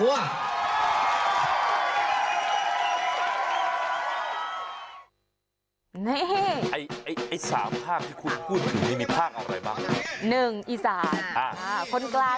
สัญญาณอยู่ตรงไปก็คือน้ำหนักเลย